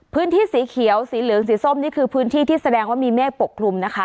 พื้นที่สีเขียวสีเหลืองสีส้มนี่คือพื้นที่ที่แสดงว่ามีเมฆปกคลุมนะคะ